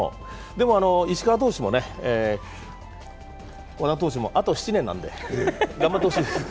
でも石川投手もね、和田投手もあと７年なんで頑張ってほしいです。